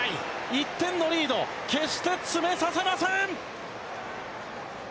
１点のリード、決して詰めさせません。